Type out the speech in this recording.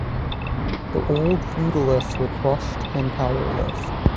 The old feudalists were crushed and powerless.